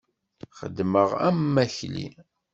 Xeddmeɣ am wakli!